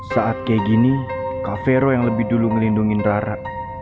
saat kayak gini kak vero yang lebih dulu ngelindungin rara